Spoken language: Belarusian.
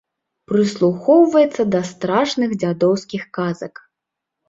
Прыслухоўваецца да страшных дзядоўскіх казак.